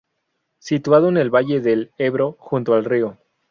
Situado en el valle del Ebro, junto al río.